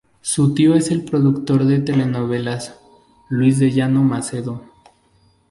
Su tío es el productor de telenovelas Luis de Llano Macedo.